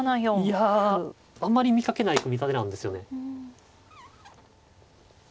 いやあんまり見かけない組み立てなんですよね。